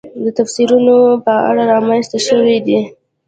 د تفسیرونو په اړه رامنځته شوې دي.